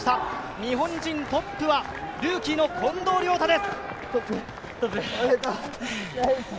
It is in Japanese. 日本人トップはルーキーの近藤亮太です。